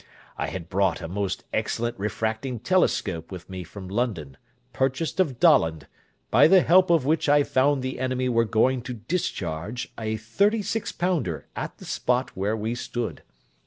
I had brought a most excellent refracting telescope with me from London, purchased of Dollond, by the help of which I found the enemy were going to discharge a thirty six pounder at the spot where we stood.